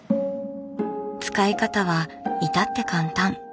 使い方は至って簡単。